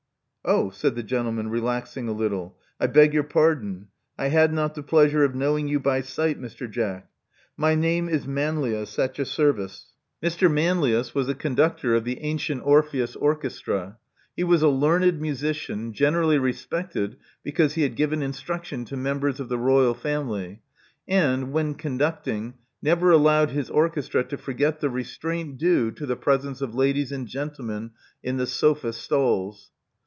0h!" said the gentleman, relaxing a little. I beg your pardon. I had not the pleasure of knowing you by sight, Mr. Jack. My name is Manlius, at your service." Mr. Manlius was the conductor of the 172 Love Among the Artists Antient Orpheus orchestra. He was a learned musician, generally respected because he had given instruction to members of the Royal family, and, when conducting, never allowed his orchestra to forget the restraint due to the presence of ladies and gentlemen in the sofa stalls.